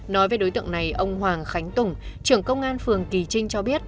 nói về đối tượng này ông hoàng khánh tùng trưởng công an phường kỳ trinh cho biết